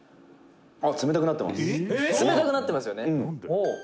冷たくなってます」